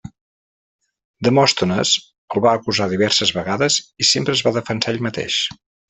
Demòstenes el va acusar diverses vegades i sempre es va defensar ell mateix.